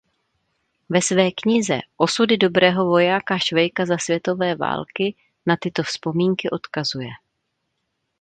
Ve své knize Osudy dobrého vojáka Švejka za světové války na tyto vzpomínky odkazuje.